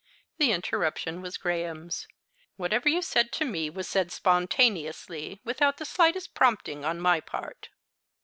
The interruption was Graham's. "Whatever you said to me was said spontaneously, without the slightest prompting on my part."